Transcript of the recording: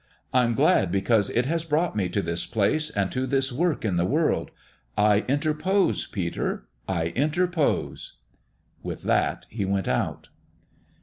I'm glad because it has brought me to this place and to this work in the world. I interpose, Peter I interpose !" With that he went out.